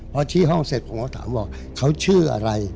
พอชี้ห้องเสร็จผมก็ถามว่าเขาชื่ออะไร